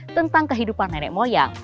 tentang kehidupan nenek moyang